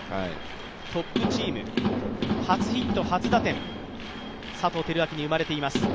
トップチーム、初ヒット初打点、佐藤輝明に生まれています。